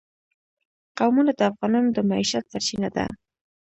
قومونه د افغانانو د معیشت سرچینه ده.